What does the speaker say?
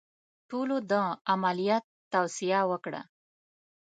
ټولو د عملیات توصیه وکړه.